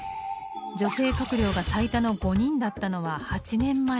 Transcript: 女性閣僚が最多の５人だったのは８年前。